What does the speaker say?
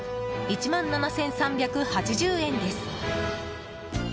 １万７３８０円です。